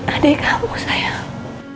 ada di kamu sayang